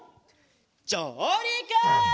じょうりく！